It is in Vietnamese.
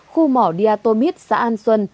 khu mỏ đia tô mít xã an xuân